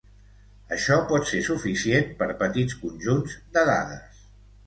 Això pot ser suficient per petits conjunts de dades.